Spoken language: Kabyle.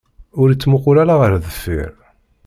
Ur ittmuqul ara ɣer deffir.